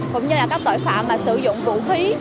cũng như là các tội phạm mà sử dụng vũ khí